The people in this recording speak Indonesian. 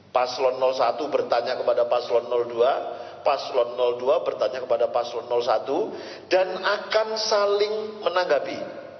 paslon satu bertanya kepada paslon dua paslon dua bertanya kepada paslon satu dan akan saling menanggapi